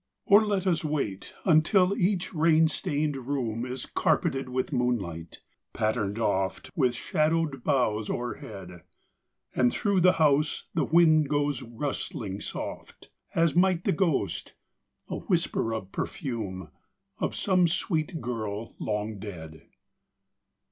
Or let us wait until each rain stained room Is carpeted with moonlight, patterned oft With shadow'd boughs o'erhead; And through the house the wind goes rustling soft, As might the ghost a whisper of perfume Of some sweet girl long dead.